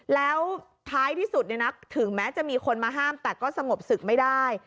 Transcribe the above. แล้วท้ายที่สุดถึงแม้จะมีคนมาห้ามแต่ก็สงบศึกไม่ได้